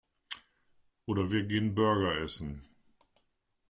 Oder wir gehen Burger essen.